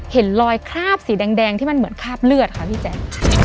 เห็นรอยคราบสีแดงที่มันเหมือนคราบเลือดค่ะพี่แจ๊ค